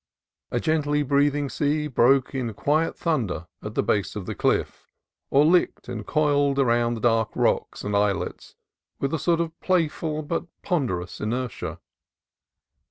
A gently breathing sea broke in quiet thunder at the base of the cliff, or licked and coiled about the dark rocks and islets with a sort of play ful but ponderous inertia.